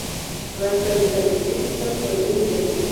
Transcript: ځغاسته د تنفسي سیستم تمرین دی